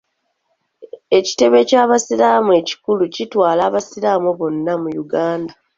Ekitebe ky'Abasiraamu ekikulu kitwala Abasiraamu bonna mu Uganda.